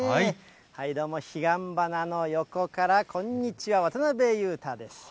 どうも、彼岸花の横からこんにちは、渡辺裕太です。